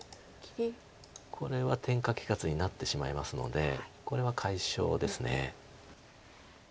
これは天下利かずになってしまいますのでこれは解消です。